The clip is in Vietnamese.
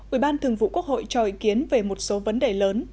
ủy ban thường vụ quốc hội cho ý kiến về một số vấn đề lớn